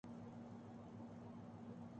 الله آپکو مزید کامیابیاں عطا فرمائے ۔آمین